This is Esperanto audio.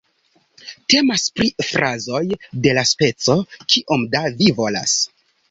Temas pri frazoj de la speco "Kiom da vi volas?